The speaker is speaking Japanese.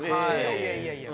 いやいやいや。